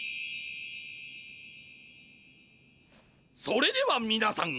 それではみなさん